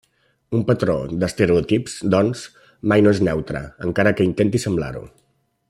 Un patró d'estereotips, doncs, mai no és neutre, encara que intenti semblar-ho.